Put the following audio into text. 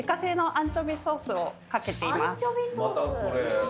アンチョビソース。